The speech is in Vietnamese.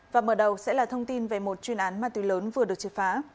và mở đầu sẽ là thông tin về một chuyên án ma túy lớn vừa được chế phá